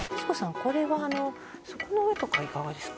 これはそこの上とかいかがですか？